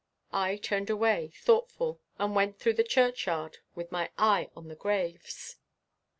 I turned away thoughtful, and went through the churchyard with my eye on the graves.